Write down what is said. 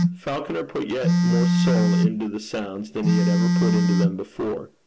Falconer put yet more soul into the sounds than he had ever put into them before.